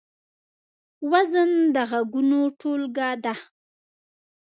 وزن د غږونو ټولګه ده.